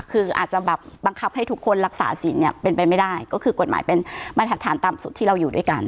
คืออาจจะแบบบังคับให้ทุกคนรักษาสินเนี่ยเป็นไปไม่ได้ก็คือกฎหมายเป็นมาตรฐานต่ำสุดที่เราอยู่ด้วยกัน